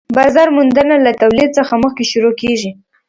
بازار موندنه له تولید څخه مخکې شروع کيږي